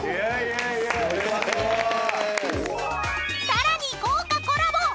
［さらに豪華コラボ！］